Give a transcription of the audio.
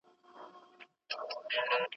شاګرد د موضوع حدود ټاکي.